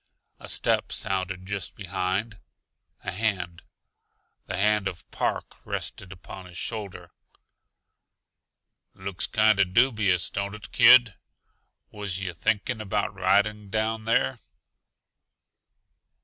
A step sounded just behind. A hand, the hand of Park, rested upon his shoulder. "Looks kinda dubious, don't it, kid? Was yuh thinking about riding down there?"